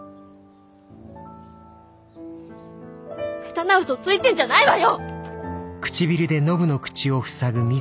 ヘタな嘘ついてんじゃないわよ！